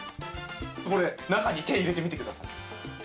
これ中に手入れてみてください。